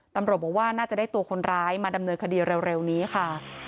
ตำรวจบอกว่าน่าจะได้ตัวคนร้ายมาดำเนินคดีเร็วนี้ค่ะ